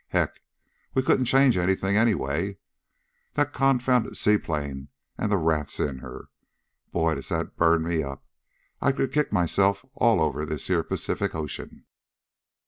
Heck! We couldn't change anything, anyway. That confounded seaplane, and the rats in her! Boy! Does that burn me up! I could kick myself all over this here Pacific Ocean!"